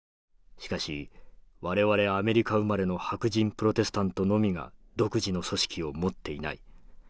しかし我々アメリカ生まれの白人プロテスタントのみが独自の組織を持っていない。